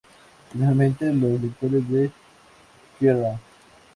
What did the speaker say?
Finalmente, los lectores de "Kerrang!